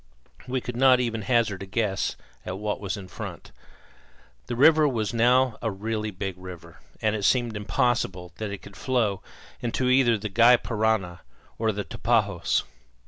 We could not even hazard a guess at what was in front. The river was now a really big river, and it seemed impossible that it could flow either into the Gy Parana or the Tapajos.